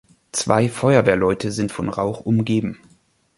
Zwei Feuerwehrleute sind von Rauch umgeben.